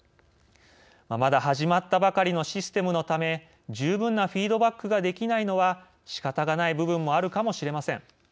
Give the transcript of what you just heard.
まだ始まったばかりのシステムのため十分なフィードバックができないのは、仕方がない部分もあるかもしれません。